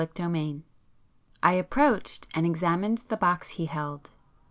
[p 55]VI I approached and examined the box he held.